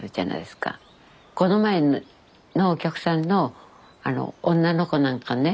この前のお客さんの女の子なんかね